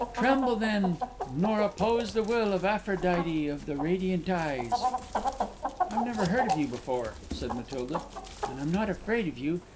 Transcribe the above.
Tremble then, nor oppose the will of Aphrodite of the radiant eyes!" "I never heard of you before," said Matilda, "but I'm not afraid of you.